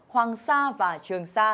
hoàng sa và trường sa